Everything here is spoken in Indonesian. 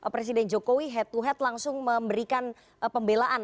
presiden jokowi head to head langsung memberikan pembelaan